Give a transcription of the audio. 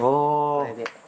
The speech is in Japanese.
これで。